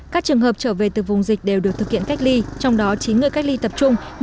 các trường hợp trở về từ vùng dịch đều được thực hiện cách ly trong đó chín người cách ly tập trung